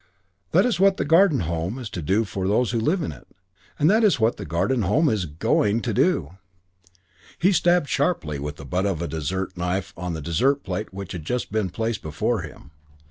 That is what the Garden Home is to do for those who live in it, and that is what the Garden Home is going to do." He stabbed sharply with the butt of a dessert knife on the dessert plate which had just been placed before him.